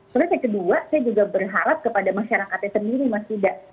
terus yang kedua saya juga berharap kepada masyarakatnya sendiri mas yuda